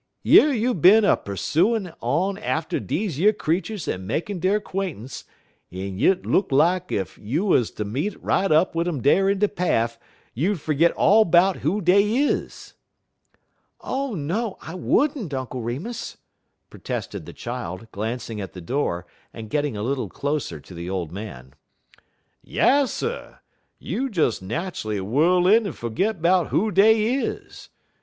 Yer you bin a persooin' on atter deze yer creeturs en makin' der 'quaintunce, en yit look lak ef you 'uz ter meet um right up dar in der paff you'd fergit all 'bout who dey is." "Oh, no, I would n't, Uncle Remus!" protested the child, glancing at the door and getting a little closer to the old man. "Yasser! you'd des nat'ally whirl in en fergit 'bout who dey is.